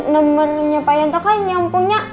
nomornya pak yanto kan yang punya